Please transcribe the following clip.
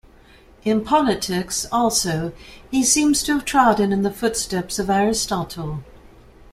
In politics, also, he seems to have trodden in the footsteps of Aristotle.